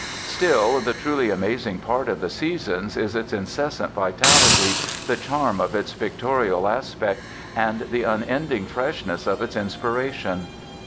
Still, the truly amazing part of "The Seasons" is its incessant vitality, the charm of its pictorial aspect and the unending freshness of its inspiration.